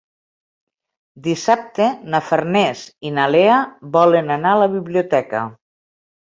Dissabte na Farners i na Lea volen anar a la biblioteca.